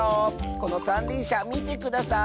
このさんりんしゃみてください。